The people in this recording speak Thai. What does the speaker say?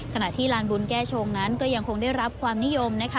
ขณะที่ลานบุญแก้ชงนั้นก็ยังคงได้รับความนิยมนะคะ